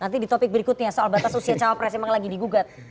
nanti di topik berikutnya soal batas usia cawapres memang lagi digugat